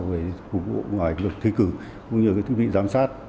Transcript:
để phục vụ ngoài việc thi cử cũng như thiết bị giám sát